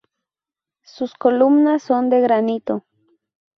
Sus columnas son de granito.